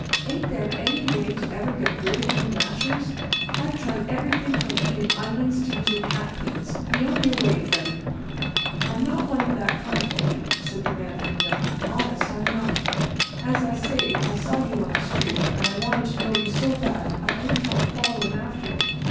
"Ain't there any way to ever get rid of you mashers? I've tried everything from eating onions to using hatpins. Be on your way, Freddie." "I'm not one of that kind, lady," said the Man from Nome—"honest, I'm not. As I say, I saw you on the street, and I wanted to know you so bad I couldn't help followin' after you.